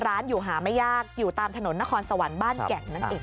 ร้านอยู่หาไม่ยากอยู่ตามถนนนครสวรรค์บ้านแก่งนั่นเอง